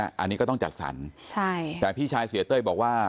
อันนี้ก็ต้องจัดสรรใช่แต่พี่ชายเสียเต้ยบอกว่า